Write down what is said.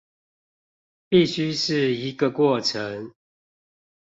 必須是一個過程